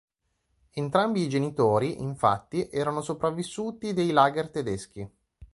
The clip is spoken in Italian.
Entrambi i genitori, infatti, erano sopravvissuti dei lager tedeschi.